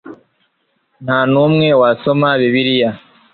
nta n'umwe wasoma bibiliya